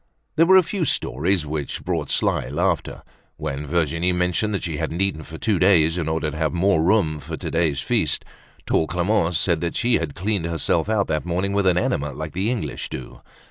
There were a few stories which brought sly laughter. When Virginie mentioned that she hadn't eaten for two days in order to have more room for today's feast, tall Clemence said that she had cleaned herself out that morning with an enema like the English do.